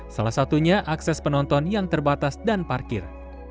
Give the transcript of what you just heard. salah satunya akses penonton yang terbatas dan parkir